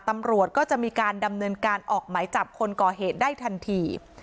ตำรวจก็จะมีการดำเนินการออกหมายจับคนก่อเหตุได้ทันที